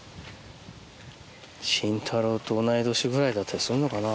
シンタローと同い年ぐらいだったりするのかな。